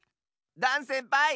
ダンせんぱい！